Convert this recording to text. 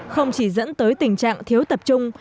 không chỉ dẫn tới tình trạng thiếu tập trung